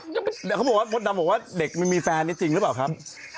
เดี๋ยวเขาบอกว่ามดดำบอกว่าเด็กไม่มีแฟนนี่จริงหรือเปล่าครับ